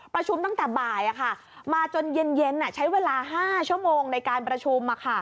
ประชุมตั้งแต่บ่ายมาจนเย็นใช้เวลา๕ชั่วโมงในการประชุม